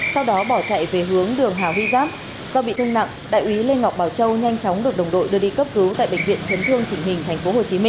sau đó bỏ chạy về hướng đường hà huy giáp do bị thương nặng đại úy lê ngọc bảo châu nhanh chóng được đồng đội đưa đi cấp cứu tại bệnh viện chấn thương chỉnh hình tp hcm